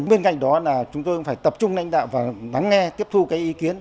bên cạnh đó là chúng tôi phải tập trung nhanh đạo và lắng nghe tiếp thu ý kiến